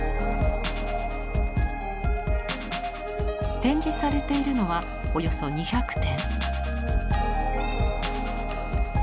展示されているのはおよそ２００点。